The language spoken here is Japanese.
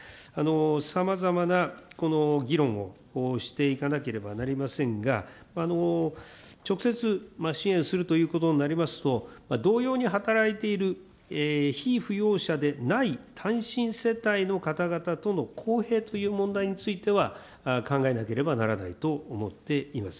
さまざまな議論をしていかなければなりませんが、直接支援するということになりますと、同様に働いている被扶養者でない単身世帯の方々との公平という問題については、考えなければならないと思っています。